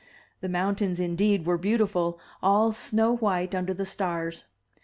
The mountains indeed were beautiful, all snow white under the stars.